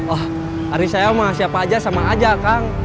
oh hari saya sama siapa aja sama aja kang